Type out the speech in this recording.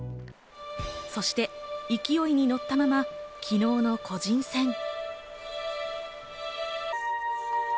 そして勢いにのったまま昨日の個人戦。